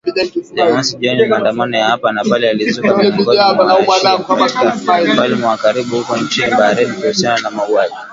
Jumamosi jioni maandamano ya hapa na pale yalizuka miongoni mwa Wa shia katika ufalme wa karibu huko nchini Bahrain, kuhusiana na mauaji